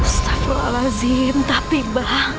astaghfirullahaladzim tapi bang